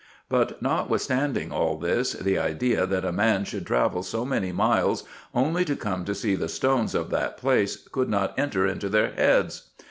But, notwithstanding all this, the idea that a man should travel so many miles only to come to see the stones of that place could not enter into their heads.